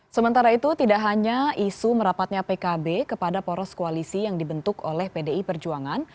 sementara itu tidak hanya isu merapatnya pkb kepada poros koalisi yang dibentuk oleh pdi perjuangan